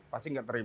pasti nggak terima